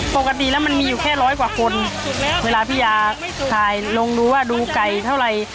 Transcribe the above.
ปกติแล้วมันมีอยู่แค่ร้อยกว่าคนเวลาพี่ยาถ่ายลงดูว่าดูไก่เท่าไหร่